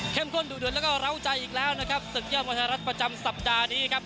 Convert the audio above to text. ข้นดูเดือดแล้วก็เล้าใจอีกแล้วนะครับศึกยอดมวยไทยรัฐประจำสัปดาห์นี้ครับ